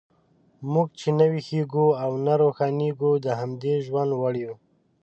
موږ چې نه ویښیږو او نه روښانیږو، د همدې ژوند وړ یو.